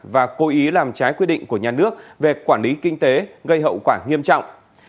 và cố ý làm trái quy định của nhà nước về quản lý kinh tế gây hậu quả nghiêm trọng